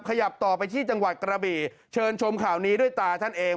ขยับต่อไปที่จังหวัดกระบี่เชิญชมข่าวนี้ด้วยตาท่านเอง